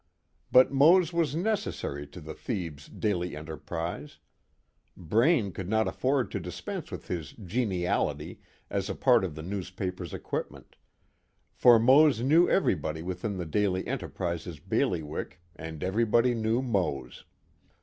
But Mose was necessary to the Thebes Daily Enterprise. Braine could not afford to dispense with his "geniality" as a part of the newspaper's equipment; for Mose knew everybody within the Daily Enterprise's bailiwick and everybody knew Mose.